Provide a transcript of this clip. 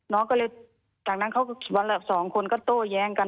น้องก็เลยจากนั้นเขาวันละสองคนก็โต้แย้งกัน